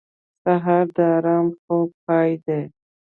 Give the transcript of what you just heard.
سهار د ارام خوب پای دی.